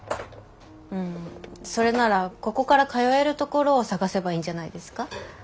うんそれならここから通えるところを探せばいいんじゃないですか？